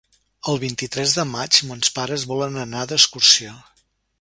El vint-i-tres de maig mons pares volen anar d'excursió.